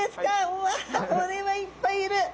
うわこれはいっぱいいる。